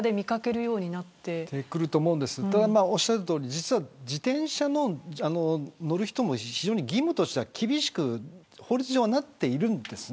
そうなると思いますがおっしゃるとおり自転車に乗る人も非常に義務としては厳しく法律上はなっているんですね。